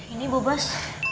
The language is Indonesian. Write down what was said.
ini bu bos